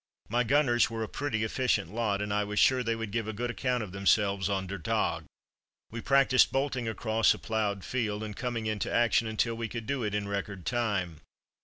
My gunners were a pretty efficient lot, and I was sure they would give a good account of themselves on "der Tag." We practised bolting across a ploughed field, and coming into action, until we could do it in record time.